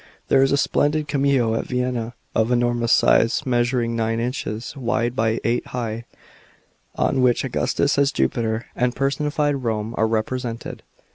There is a splendid cameo at Vienna, of enormous size, measuring nine inches wide by eight high, on which Augustus as Jupiter and personified Rome are represented.